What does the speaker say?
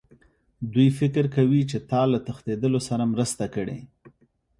دوی فکر کوي چې تا له تښتېدلو سره مرسته کړې